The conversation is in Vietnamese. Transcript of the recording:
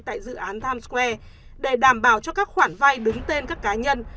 tại dự án times square để đảm bảo cho các khoản vay đứng tên các cá nhân